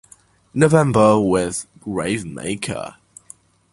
November with Gravemaker.